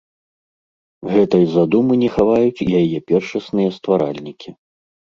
Гэтай задумы не хаваюць і яе першасныя стваральнікі.